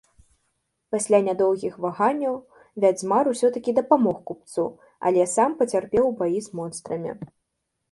Пасля нядоўгіх ваганняў вядзьмар усё-ткі дапамог купцу, але сам пацярпеў у баі з монстрамі.